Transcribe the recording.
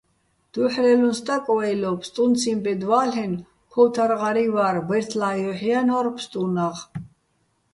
დუ́ჲჰ̦რელუჼ სტაკ, ვეჲლო, ფსტუნციჼ ბედ ვა́ლლ'ენო̆, ქო́ვთარღარიჼ ვარ, ბეჲრთლა́ჼ ჲოჰ̦ ჲანო́რ ფსტუნაღ.